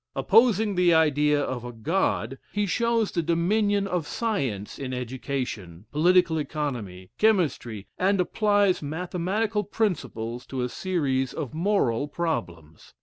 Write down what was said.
Opposing the idea of a God, he shows the dominion of science in education, political economy, chemistry, and applies mathematical principles to a series of moral problems.